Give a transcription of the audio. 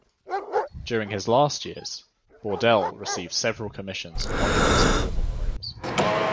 During his last years, Bourdelle received several commissions for monuments and war memorials.